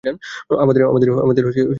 আমাদের দুই পয়েন্টে জেতার কথা।